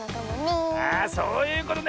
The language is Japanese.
あそういうことね。